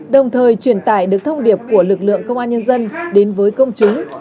đồng thời truyền tải được thông điệp của lực lượng công an nhân dân đến với công chúng